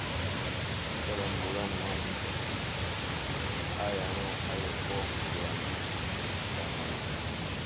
É tá lambo lá momé ábū á yánɔ̄ á yɔkɔ́ ɓolanɛ tɔ ɗaŋgwanɛ.